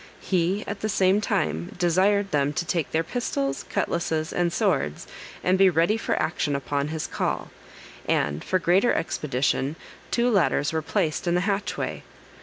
He at the same time desired them to take their pistols, cutlasses, and swords, and be ready for action upon his call, and, for greater expedition, two ladders were placed in the hatchway.